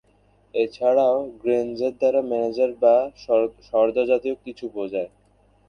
এছাড়াও গ্রেঞ্জার দ্বারা ম্যানেজার বা সর্দার জাতীয় কিছু বোঝায়।